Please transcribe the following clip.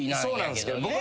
そうなんすけど。